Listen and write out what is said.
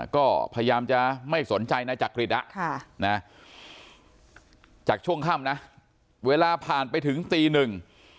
ก็พยายามจะไม่สนใจนายจักริตอ่ะค่ะนะจากช่วงค่ำนะเวลาผ่านไปถึงตีหนึ่ง